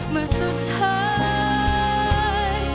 เมื่อสุดท้าย